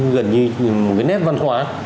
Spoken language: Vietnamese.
gần như một cái nét văn hóa